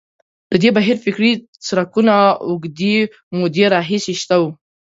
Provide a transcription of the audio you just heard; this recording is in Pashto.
د دې بهیر فکري څرکونه اوږدې مودې راهیسې شته وو.